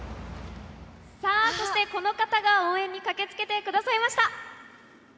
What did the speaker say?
さあ、そしてこの方が応援に駆けつけてくださいました。